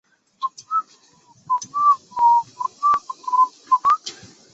后致仕归家。